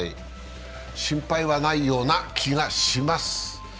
心配はないような気はします。